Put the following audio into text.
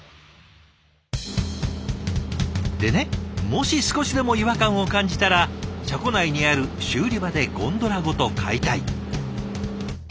でねもし少しでも違和感を感じたら車庫内にある修理場でゴンドラごと解体。